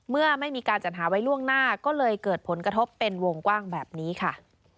เมื่อไม่มีการจัดหาไว้ล่วงหน้าก็เลยเกิดผลกระทบเป็นวงกว้างแบบนี้ค่ะ